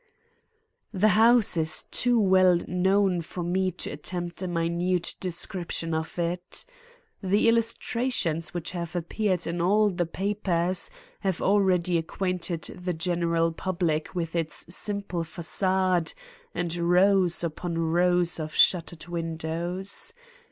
The house is too well known for me to attempt a minute description of it. The illustrations which have appeared in all the papers have already acquainted the general public with its simple facade and rows upon rows of shuttered windows.